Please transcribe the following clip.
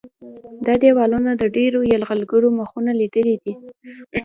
دا دیوالونه د ډېرو یرغلګرو مخونه لیدلي دي.